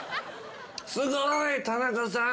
「すごい田中さん！」